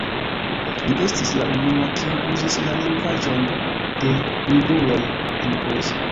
Li estis la unua kiu uzis la lingvaĵon de nigruloj en poezio.